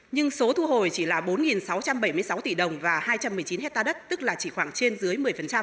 nhưng số thu hồi chỉ là bốn sáu trăm bảy mươi sáu tỷ đồng và hai trăm một mươi chín hectare đất tức là chỉ khoảng trên dưới một mươi